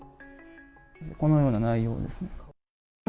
このような内容です。